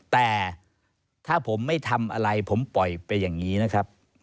แต่ถ้าผมไม่ทำอะไรผมปล่อยไปอย่างนี้นะครับ